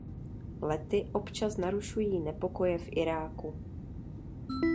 Lety občas narušují nepokoje v Iráku.